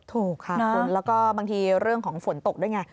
ถูกค่ะคุณแล้วก็บางทีเรื่องของฝนตกด้วยไง